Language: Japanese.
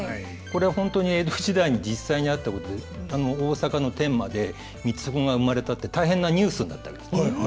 これは本当に江戸時代に実際にあったことで大坂の天満で三つ子が生まれたって大変なニュースになったわけです。